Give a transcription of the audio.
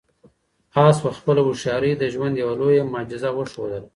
آس په خپله هوښیارۍ د ژوند یوه لویه معجزه وښودله.